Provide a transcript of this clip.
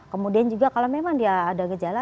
kemudian juga kalau memang dia ada gejala